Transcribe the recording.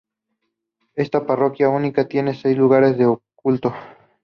Esta parroquia única tiene seis lugares de culto.